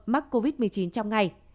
mắc covid một mươi chín trong ngày